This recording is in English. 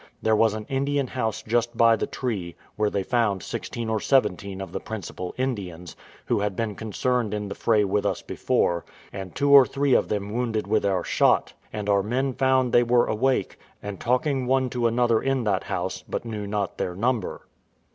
There was an Indian house just by the tree, where they found sixteen or seventeen of the principal Indians, who had been concerned in the fray with us before, and two or three of them wounded with our shot; and our men found they were awake, and talking one to another in that house, but knew not their number.